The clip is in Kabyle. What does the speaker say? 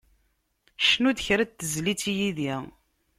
Cnu-d kra n tezlit yid-i.